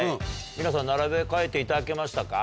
皆さん並べ替えていただけましたか？